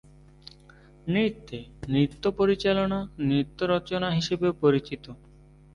নৃত্যে, নৃত্য পরিচালনা "নৃত্য রচনা" হিসেবেও পরিচিত।